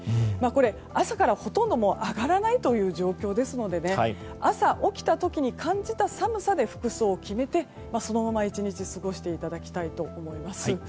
これ、朝からほとんど上がらないという状況ですので朝起きた時に感じた寒さで服装を決めてそのまま１日過ごしていただきたいと思います。